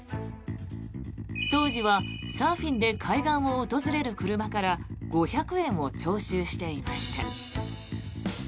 当時はサーフィンで海岸を訪れる車から５００円を徴収していました。